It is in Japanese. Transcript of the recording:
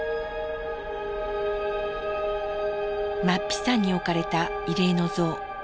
マッピ山に置かれた慰霊の像。